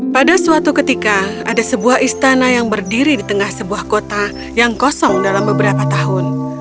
pada suatu ketika ada sebuah istana yang berdiri di tengah sebuah kota yang kosong dalam beberapa tahun